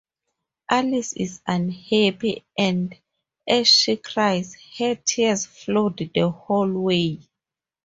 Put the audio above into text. Alice is unhappy and, as she cries, her tears flood the hallway.